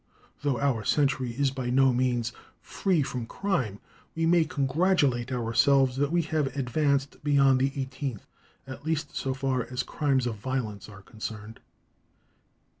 Though our century is by no means free from crime, we may congratulate ourselves that we have advanced beyond the eighteenth, at least so far as crimes of violence are concerned.